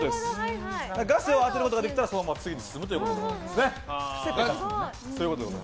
ガセを当てなかったらそのまま次に進むということです。